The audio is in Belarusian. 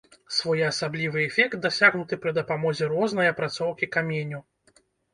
Своеасаблівы эфект дасягнуты пры дапамозе рознай апрацоўкі каменю.